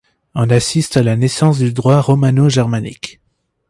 On assiste à la naissance du droit romano-germanique.